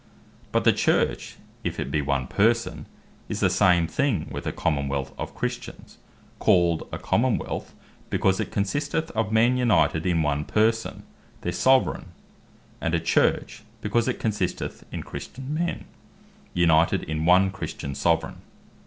But the Church, if it be one person, is the same thing with a Common wealth of Christians; called a Common wealth, because it consisteth of men united in one person, their Soveraign; and a Church, because it consisteth in Christian men, united in one Christian Soveraign.